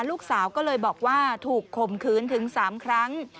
ลูกสาวก็เลยบอกว่าถูกข่มขืนถึง๓ครั้ง